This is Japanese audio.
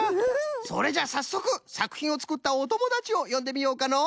それじゃあさっそくさくひんをつくったおともだちをよんでみようかの！